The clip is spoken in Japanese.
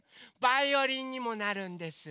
バイオリンにもなるんです。